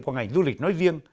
của ngành du lịch nói riêng